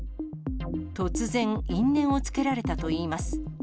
突然、因縁をつけられたといいます。